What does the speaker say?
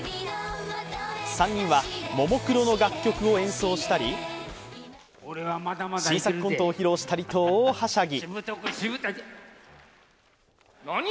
３人はももクロの楽曲を演奏したり新作コントを披露したりと大はしゃぎ。